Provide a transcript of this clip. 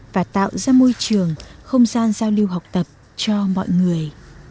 và tạo ra môi trường không gian giao lưu học tập cho mọi người